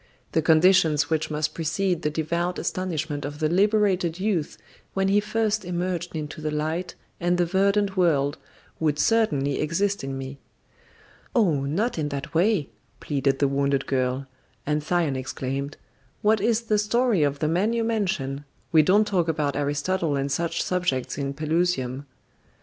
The conditions which must precede the devout astonishment of the liberated youth when he first emerged into the light and the verdant world would certainly exist in me." "Oh, not in that way," pleaded the wounded girl; and Thyone exclaimed: "What is the story of the man you mention? We don't talk about Aristotle and such subjects in Pelusium."